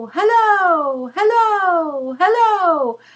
Hallo! Hallo! Hallo!